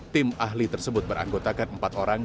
tim ahli tersebut beranggotakan empat orang